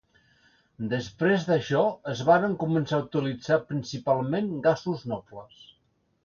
Després d'això, es varen començar a utilitzar principalment gasos nobles.